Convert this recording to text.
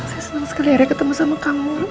saya senang sekali hari ketemu sama kamu